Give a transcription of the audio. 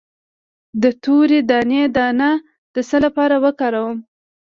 د تورې دانې دانه د څه لپاره وکاروم؟